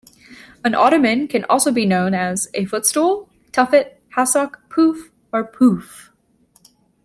An ottoman can also be known as a "footstool", "tuffet", "hassock", "pouf" or "pouffe".